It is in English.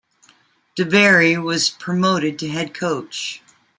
DeBerry was promoted to head coach.